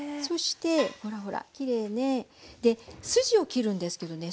ほらほらきれいね。で筋を切るんですけどね